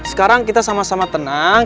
sekarang kita sama sama tenang